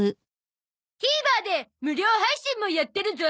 ＴＶｅｒで無料配信もやってるゾ！